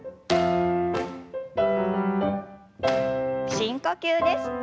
深呼吸です。